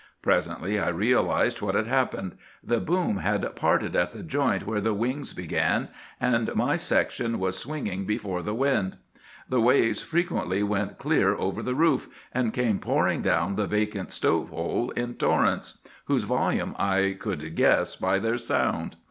"Presently I realized what had happened. The boom had parted at the joint where the wings began, and my section was swinging before the wind. The waves frequently went clear over the roof, and came pouring down the vacant pipe hole in torrents, whose volume I could guess by their sound.